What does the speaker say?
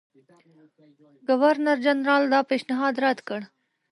ګورنرجنرال دا پېشنهاد رد کړ.